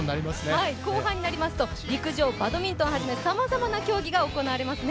後半になりますと陸上、バドミントン初め、さまざまな競技が行われますね。